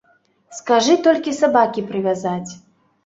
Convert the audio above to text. Скажы толькі сабакі прывязаць!